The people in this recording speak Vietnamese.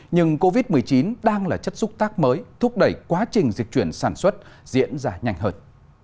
nhưng covid một mươi chín đang là chất xúc tác mới thúc đẩy quá trình dịch chuyển sản xuất diễn ra nhanh hơn